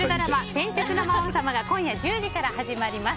「転職の魔王様」が今夜１０時から始まります。